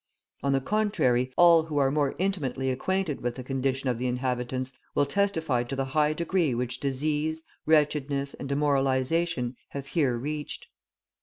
On the contrary, all who are more intimately acquainted with the condition of the inhabitants will testify to the high degree which disease, wretchedness, and demoralisation have here reached.